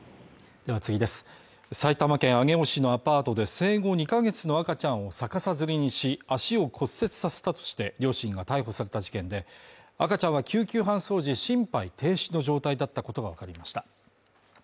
埼玉県上尾市のアパートで生後２ヶ月の赤ちゃんを逆さづりにし、足を骨折させたとして両親が逮捕された事件で、赤ちゃんは救急搬送時心肺停止の状態だったことがわかりました。